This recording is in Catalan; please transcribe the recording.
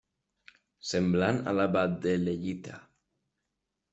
Semblant a la baddeleyita.